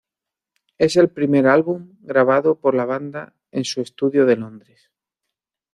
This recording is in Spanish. Es el primer álbum grabado por la banda en su estudio de Londres.